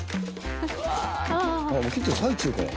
もう切ってる最中から。